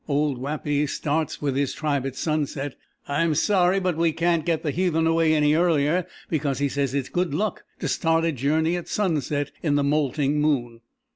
Old Wapi starts with his tribe at sunset. I'm sorry, but we can't get the heathen away any earlier because he says it's good luck to start a journey at sunset in the moulting moon.